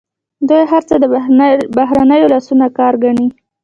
دوی هر څه د بهرنیو لاسونو کار ګڼي.